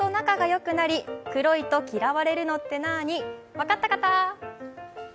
分かった方？